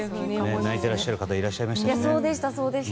泣いている方もいらっしゃいましたね。